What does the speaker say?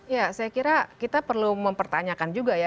ya saya kira kita perlu mempertanyakan juga ya